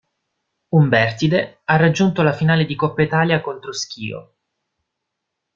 Umbertide, ha raggiunto la finale di Coppa Italia contro Schio.